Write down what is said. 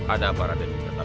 ada barat dan unikatan